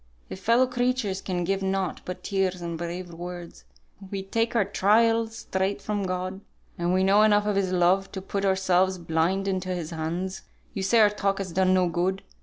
If fellow creatures can give nought but tears and brave words, we take our trials straight from God, and we know enough of His love to put ourselves blind into His hands. You say our talk has done no good.